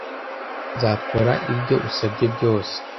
Nzakora ibyo usabye byose